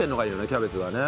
キャベツがね。